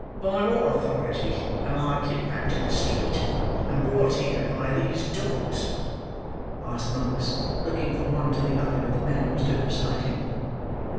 "By what authority am I kidnapped in the street, and brought here by these dogs?" asked Monks, looking from one to the other of the men who stood beside him.